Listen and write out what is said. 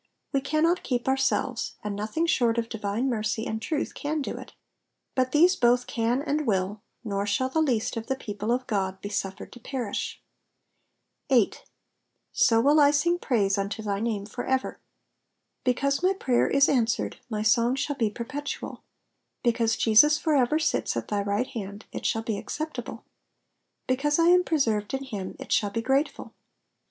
We cannot keep ourselves, and nothing short of divine mercy and truth can do it ; but these both can and will, nor shall the least of the people of God be suffered to perish. 8. 8o will I sing praise vnto thy name for ever."*' Because my prayer is answered, my song shall be perpetual ; because Jesus for ever sits at thy right hand, it shall be acceptable ; because I am preserved in him, it shall be grateful.